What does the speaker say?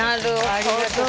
ありがとう。